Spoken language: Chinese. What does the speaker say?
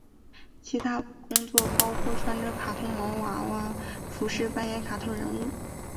其他工作包括穿着卡通毛娃娃服扮演卡通人物。